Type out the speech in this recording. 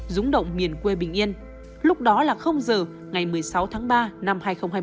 rúng động miền quê bình yên lúc đó là giờ ngày một mươi sáu tháng ba năm hai nghìn hai mươi